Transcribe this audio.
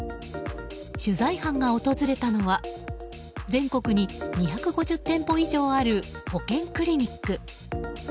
取材班が訪れたのは全国に２５０店舗以上ある保険クリニック。